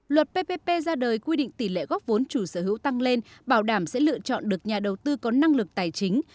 luật ppp ra đời quy định tỷ lệ góp vốn chủ sở hữu tăng lên bảo đảm sẽ lựa chọn được nhà đầu tư có năng lực tài chính